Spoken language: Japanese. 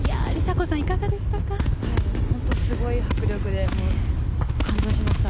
ほんと、すごい迫力で感動しました。